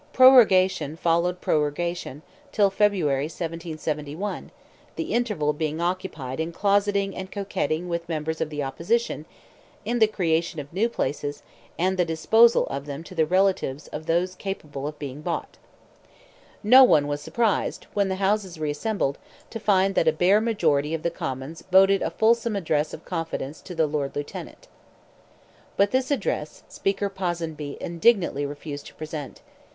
Prorogation followed prorogation, till February, 1771, the interval being occupied in closeting and coquetting with members of the opposition, in the creation of new places, and the disposal of them to the relatives of those capable of being bought. No one was surprised, when the Houses reassembled, to find that a bare majority of the Commons voted a fulsome address of confidence to the Lord Lieutenant. But this address, Speaker Ponsonby indignantly refused to present.